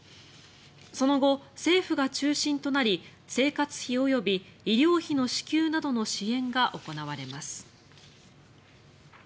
その後、政府が中心となり生活費及び医療費の支給などの支援が行われます。